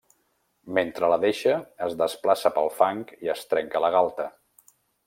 Mentre la deixa, es desplaça pel fang i es trenca la galta.